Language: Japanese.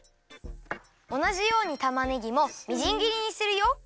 おなじようにたまねぎもみじんぎりにするよ。